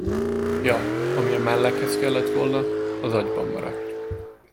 Ja, ami a mellekhez kellett volna, az agyban maradt.